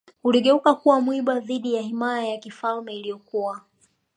uligeuka kuwa mwiba dhidi ya himaya ya kifalme iliyokuwa